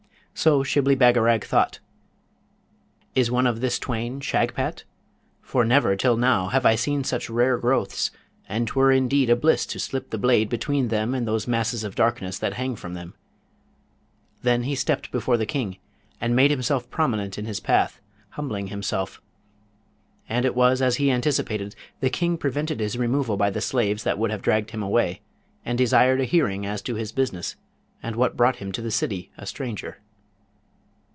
So Shibli Bagarag thought, 'Is one of this twain Shagpat? for never till now have I seen such rare growths, and 'twere indeed a bliss to slip the blade between them and those masses of darkness that hang from them.' Then he stepped before the King, and made himself prominent in his path, humbling himself; and it was as he anticipated, the King prevented his removal by the slaves that would have dragged him away, and desired a hearing as to his business, and what brought him to the city, a stranger.